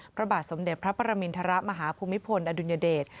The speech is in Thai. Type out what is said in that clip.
พระบาทสมเด็จพระปรมินทรมาฮภูมิพลอดุลยเดช